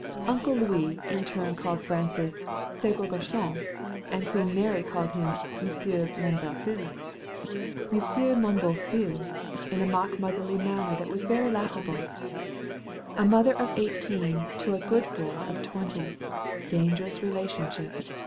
"Uncle" Louis in turn called Francis "Ce Gros Garçon," and Queen Mary called him "Monsieur, mon beau fils," in a mock motherly manner that was very laughable. A mother of eighteen to a "good boy" of twenty two! Dangerous relationship!